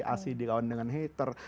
ac dilawan dengan heater